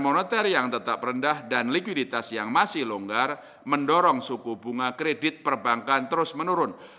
moneter yang tetap rendah dan likuiditas yang masih longgar mendorong suku bunga kredit perbankan terus menurun